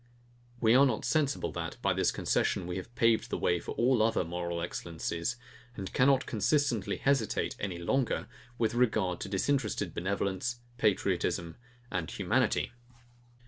We are not sensible that, by this concession, we have paved the way for all the other moral excellencies, and cannot consistently hesitate any longer, with regard to disinterested benevolence, patriotism, and humanity.